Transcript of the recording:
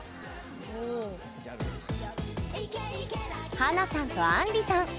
華さんとあんりさん。